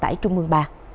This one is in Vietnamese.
vận tải trung ương ba